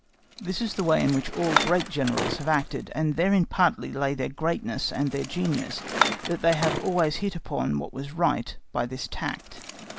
This is the way in which all great Generals have acted, and therein partly lay their greatness and their genius, that they always hit upon what was right by this tact.